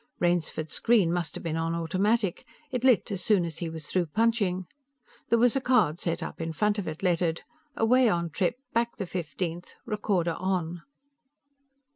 Rainsford's screen must have been on automatic; it lit as soon as he was through punching. There was a card set up in front of it, lettered: AWAY ON TRIP, BACK THE FIFTEENTH. RECORDER ON.